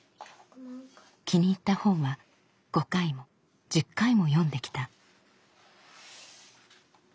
気に入った本は５回も１０回も読んできた。